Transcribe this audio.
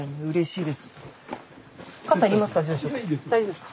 大丈夫ですか。